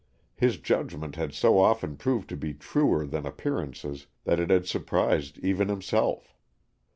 His judgment had so often proved to be truer than appearances that it had surprised even himself.